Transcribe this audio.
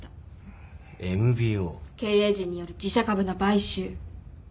経営陣による自社株の買収。